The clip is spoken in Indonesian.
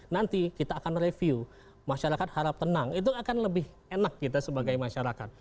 nanti kita akan review masyarakat harap tenang itu akan lebih enak kita sebagai masyarakat